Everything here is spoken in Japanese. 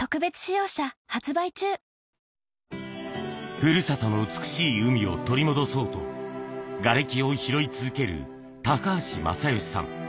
ふるさとの美しい海を取り戻そうと、がれきを拾い続ける高橋正祥さん。